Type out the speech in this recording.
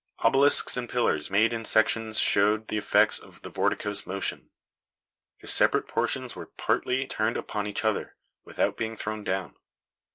Obelisks and pillars made in sections showed the effects of the vorticose motion. The separate portions were partly turned upon each other, without being thrown down.